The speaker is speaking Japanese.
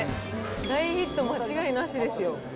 大ヒット間違いなしですよ。